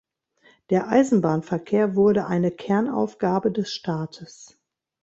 Der Eisenbahnverkehr wurde eine Kernaufgabe des Staates.